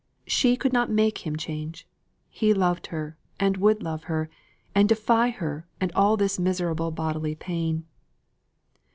She could not make him change. He loved her, and would love her; and defy her, and this miserable bodily pain.